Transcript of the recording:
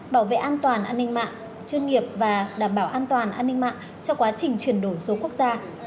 bảo vệ an toàn an ninh mạng chuyên nghiệp và đảm bảo an toàn an ninh mạng cho quá trình chuyển đổi số quốc gia